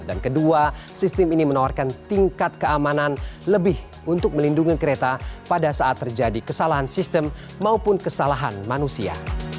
dan kedua sistem ini menawarkan tingkat keamanan lebih untuk melindungi kereta pada saat terjadi kesalahan sistem maupun kesalahan manusia